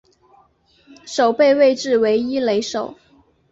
守备位置为一垒手。